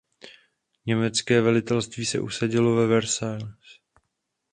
Německé velitelství se usadilo ve Versailles.